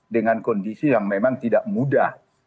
dengan kondisi yang memang tidak mudah